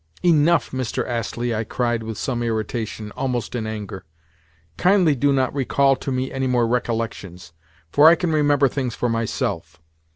"Enough, Mr. Astley!" I cried with some irritation—almost in anger. "Kindly do not recall to me any more recollections, for I can remember things for myself.